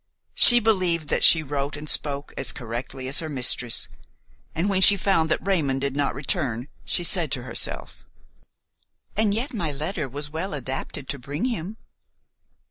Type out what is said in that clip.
She believed that she wrote and spoke as correctly as her mistress, and when she found that Raymon did not return she said to herself: "And yet my letter was well adapted to bring him."